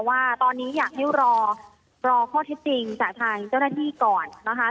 ว่าตอนนี้อยากให้รอข้อเท็จจริงจากทางเจ้าหน้าที่ก่อนนะคะ